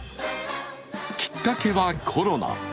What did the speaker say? きっかけはコロナ。